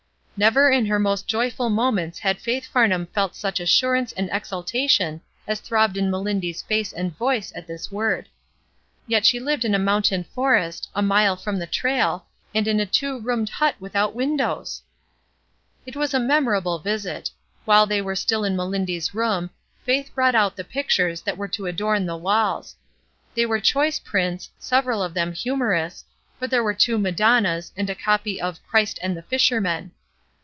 Never in her most joyful moments had Faith Farnham felt such assurance and exultation as throbbed in Melindy's face and voice at this word. Yet she lived in a mountain forest, a mile from the trail, and in a two roomed hut without windows! It was a memorable visit. While they were still in Mehndy's room, Faith brought out the pictures that were to adorn the walls. They were choice prints, several of them humorous, but there were two Madonnas, and a copy of " Christ and the Fishermen."